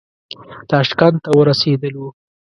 تاشکند ته ورسېدلو.